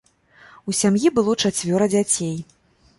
У сям'і было чацвёра дзяцей.